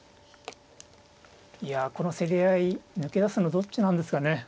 いやこの競り合い抜け出すのどっちなんですかね。